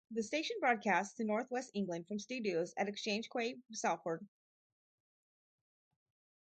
The station broadcasts to North West England from studios at Exchange Quay, Salford.